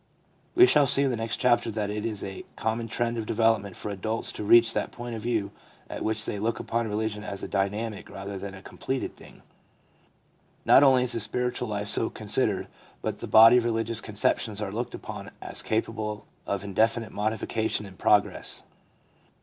We shall see in the next chapter that it is a common trend of development for adults to reach that point of view at which they look upon religion as a dynamic rather than a completed thing. Not only is the spiritual life so considered, but the body of religious conceptions are looked upon as capable of indefinite modification and progress.